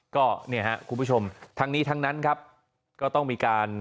ก็เนี่ยฮะคุณผู้ชมทั้งนี้ทั้งนั้นครับก็ต้องมีการ